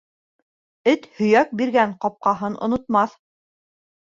Эт һөйәк биргән ҡапҡаһын онотмаҫ.